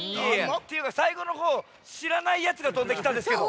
さいごのほうしらないやつがとんできたんですけど。